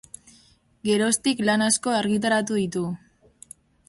Geroztik lan asko argitaratu ditu.